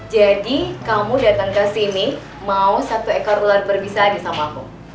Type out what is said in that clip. jadi kamu datang ke sini mau satu ekor ular berpisah lagi sama aku